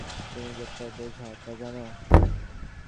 তুমি যে একটা বোঝা, তা জানো?